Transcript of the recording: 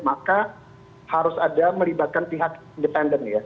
maka harus ada melibatkan pihak independen ya